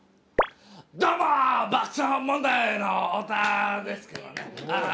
どうも爆笑問題の太田ですけどね！